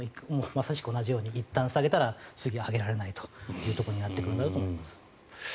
まさしく同じようにいったん下げたら次は上げられないということになるんだと思います。